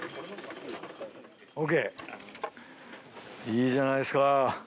いいじゃないですか。